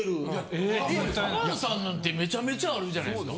浜田さんなんてめちゃめちゃあるじゃないですか。